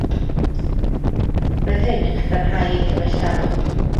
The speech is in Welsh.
Roedd hyn yn cadarnhau eu cyfeillgarwch.